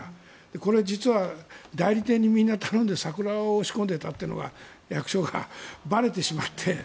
これ実は代理店にみんな頼んでサクラを仕込んでいたというのが役所からばれてしまって。